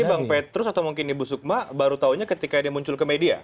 jadi bang petrus atau mungkin ibu soekar baru taunya ketika dia muncul ke media